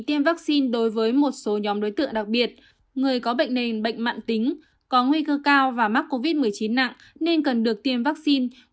tiêm vaccine đối với một số nhóm đối tượng đặc biệt người có bệnh nền bệnh mạng tính có nguy cơ cao và mắc covid một mươi chín nặng nên cần được tiêm vaccine